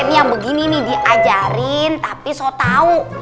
yang begini nih diajarin tapi sok tau